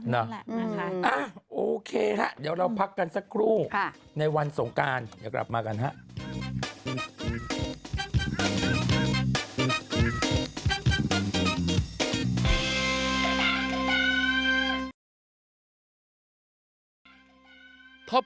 นั่นแหละนะคะโอเคฮะเดี๋ยวเราพักกันสักครู่ในวันสงการเดี๋ยวกลับมากันฮะ